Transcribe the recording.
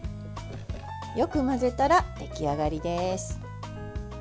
よく混ぜたら出来上がりです。